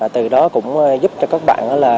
từ đó cũng giúp cho các bạn